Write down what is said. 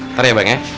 ntar ya bang ya